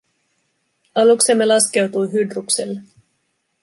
Aluksemme laskeutui Hydrukselle.